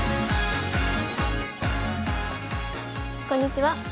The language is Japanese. こんにちは。